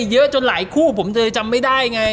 เยอะจนหลายคู่ผมเธอจำไม่ได้ไง